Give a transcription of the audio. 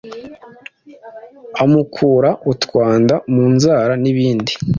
amukura utwanda mu nzara n’ibindi